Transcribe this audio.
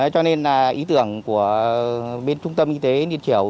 cho nên ý tưởng của bên trung tâm y tế niên triều